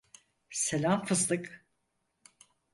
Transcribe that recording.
Selam fıstık.